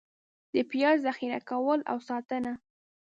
د پیاز ذخېره کول او ساتنه: